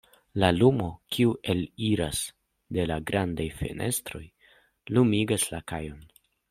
La lumo, kiu eliras de la grandaj fenestroj lumigas la kajon.